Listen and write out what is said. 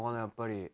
やっぱり。